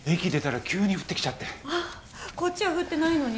こっちは降ってないのに？